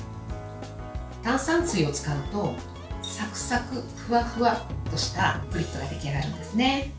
炭酸水を使うとサクサク、フワフワとしたフリットが出来上がるんですね。